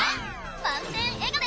満点笑顔で。